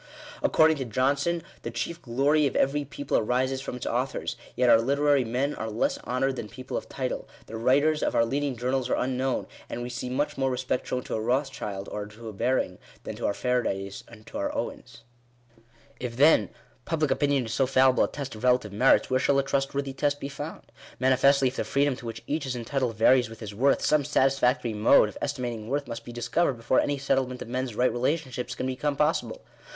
According to Johnson, "the chief glory of every people arises from its Digitized by VjOOQIC 109 * FIRST PRINCIPLE. authors :" yet our literary men are less honoured than people of title ; the writers of our leading journals are unknown ; and we see much more respect shown to a Rothschild or a Baring than to our Faradays and our Owens. If, then, public opinion is so fallible a test of relative merits, where shall a trustworthy test be found ? Manifestly, if the freedom to which each is entitled varies with his worth, some satisfactory mode of estimating worth must be discovered before any settlement of men's right relationships can become possible.